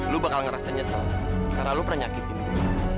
lu bakal ngerasa nyesel karena lu pernah nyakitin gue